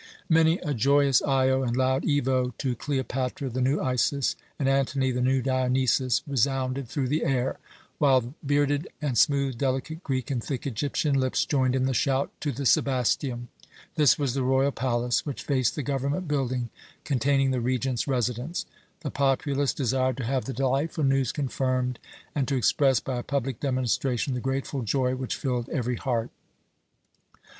Many a joyous Io and loud Evoë to Cleopatra, the new Isis, and Antony, the new Dionysus, resounded through the air, while bearded and smooth, delicate Greek and thick Egyptian lips joined in the shout, "To the Sebasteum!" This was the royal palace, which faced the government building containing the Regent's residence. The populace desired to have the delightful news confirmed, and to express, by a public demonstration, the grateful joy which filled every heart.